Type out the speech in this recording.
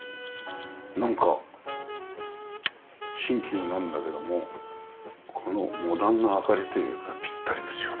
なんか新旧なんだけどもこのモダンな明かりというかピッタリですよね。